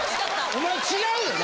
お前違うよな？